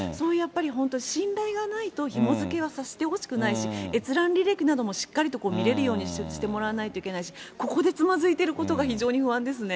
本当、信頼がないとひも付けはさせてほしくないし、閲覧履歴などもしっかりと見れるようにしてもらわないといけないし、ここでつまずいてることが非常に不安ですね。